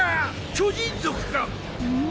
巨人族か⁉ん？